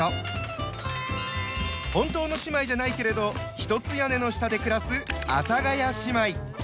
本当の姉妹じゃないけれど一つ屋根の下で暮らす「阿佐ヶ谷姉妹」。